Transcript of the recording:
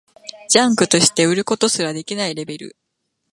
ジャンクとして売ることすらできないレベル